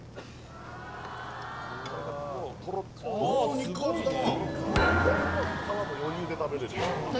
肉厚だな。